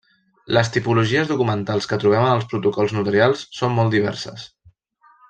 Les tipologies documentals que trobem en els protocols notarials són molt diverses.